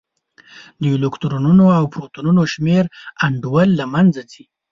د الکترونونو او پروتونونو شمېر انډول له منځه ځي.